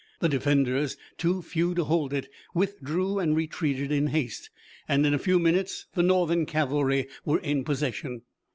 The defenders, too few to hold it, withdrew and retreated in haste, and in a few minutes the Northern cavalry were in possession.